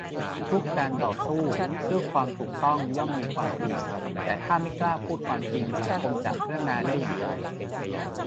ทุกการต่อสู้เพื่อความถูกต้องย่อมมีความเสี่ยง แต่ถ้าไม่กล้าพูดความจริงสังคมจะพัฒนาได้อย่างไร ?